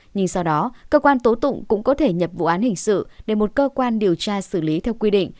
nhưng sau đó cơ quan tố tụng cũng có thể nhập vụ án hình sự để một cơ quan điều tra xử lý theo quy định